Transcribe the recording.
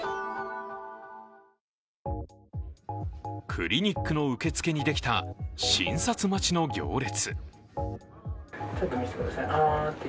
クリニックの受付にできた診察待ちの行列。